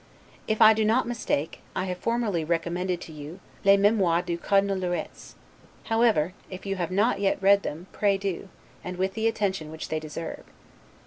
If I do not mistake, I have formerly recommended to you, 'Les Memoires du Cardinal de Retz'; however, if you have not yet read them, pray do, and with the attention which they deserve.